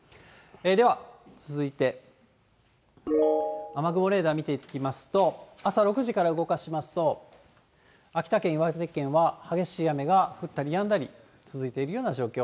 では続いて、雨雲レーダー見ていきますと、朝６時から動かしますと、秋田県、岩手県は激しい雨が降ったりやんだり続いているような状況。